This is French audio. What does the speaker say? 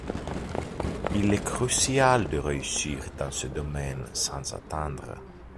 Il est crucial de réussir dans ce domaine sans attendre.